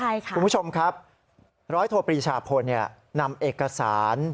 คุณผู้ชมครับร้อยโทปรีชาพลนำเอกสาร